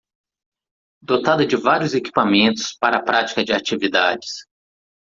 Dotada de vários equipamentos para a prática de atividades.